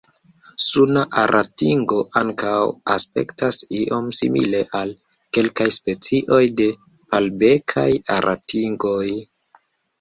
Suna aratingo ankaŭ aspektas iom simile al kelkaj specioj de palbekaj aratingoj.